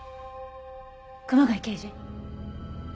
熊谷刑事？